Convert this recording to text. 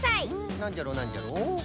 なんじゃろうなんじゃろう？